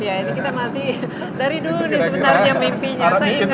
ya ini kita masih dari dulu nih sebenarnya mimpinya